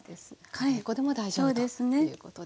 カレー粉でも大丈夫ということですね。